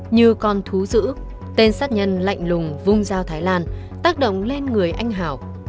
như con thú dữ tên sát nhân lạnh lùng vung dao thái lan tác động lên người anh hào